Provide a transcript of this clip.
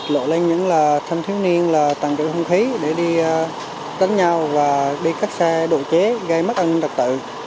lộ lên những là thành thiếu niên là tăng trưởng không khí để đi đánh nhau và đi cắt xe đồ chế gây mất ăn trật tự